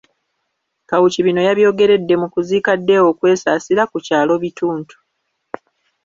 Kawuki bino yabyogeredde mu kuziika Deo Kwesasira ku kyalo Bituntu